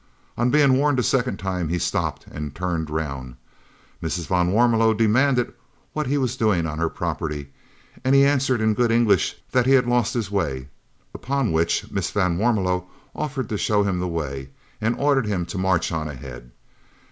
On being warned a second time he stopped and turned round. Mrs. van Warmelo demanded what he was doing on her property, and he answered in good English that he had lost his way, upon which Mrs. van Warmelo offered to show him the way, and ordered him to march on ahead.